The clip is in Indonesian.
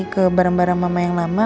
ke barang barang mama yang lama